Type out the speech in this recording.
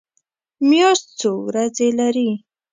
میاشت څو ورځې لري؟